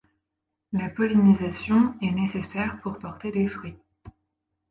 La pollinisation est nécessaire pour porter des fruits.